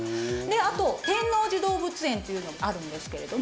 あと天王寺動物園っていうのもあるんですけれども。